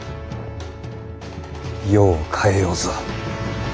世を変えようぞ。